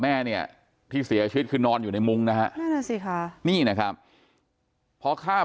แม่เนี่ยที่เสียชีวิตคือนอนอยู่ในมุ้งนะฮะนี่นะครับพอข้าม